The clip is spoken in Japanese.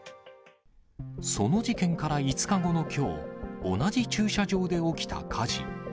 その事件から５日後のきょう、同じ駐車場で起きた火事。